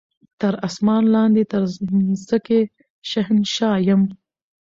تر اسمان لاندي تر مځکي شهنشاه یم